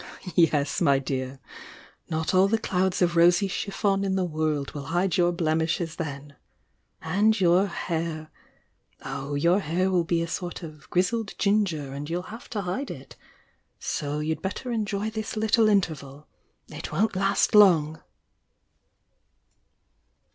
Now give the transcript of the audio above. "Yes, my dear! Not all the clouds of rosy chiffon in the world will hide your blemishes then! — and your hair! — oh, your hair will be a sort of grizzled ginger and you'll have to hide it! So you'd better enjoy this little interval — it won't last long!"